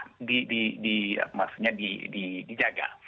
jadi infeksi ini kemungkinan sulit sekali untuk dijaga